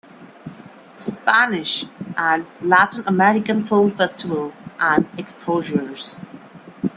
Spanish" and Latin American Film Festival and "exposures".